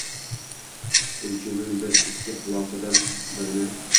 Inchunun, biz ikki xulosadan birini: